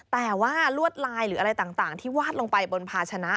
แต่ว่าลวดลายหรืออะไรต่างที่วาดลงไปบนภาชนะ